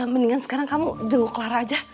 mendingan sekarang kamu jenguk lara aja